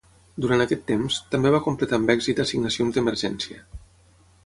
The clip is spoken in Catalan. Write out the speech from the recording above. Durant aquest temps, també va completar amb èxit assignacions d'emergència.